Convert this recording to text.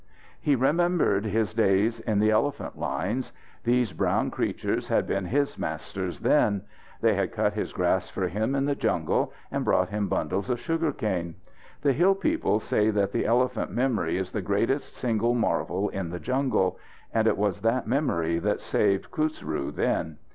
He remembered his days in the elephant lines. These brown creatures had been his masters then. They had cut his grass for him in the jungle, and brought him bundles of sugar cane. The hill people say that the elephant memory is the greatest single marvel in the jungle, and it was that memory that saved Khusru then.